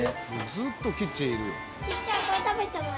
ずっとキッチンいる。